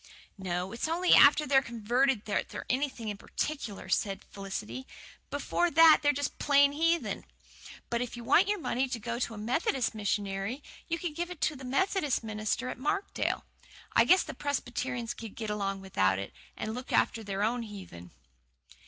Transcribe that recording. "No, it's only after they're converted that they're anything in particular," said Felicity. "Before that, they're just plain heathen. But if you want your money to go to a Methodist missionary you can give it to the Methodist minister at Markdale. I guess the Presbyterians can get along without it, and look after their own heathen."